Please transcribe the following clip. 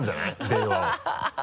電話を。